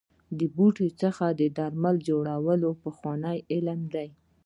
د بوټو څخه د درملو جوړول پخوانی علم دی.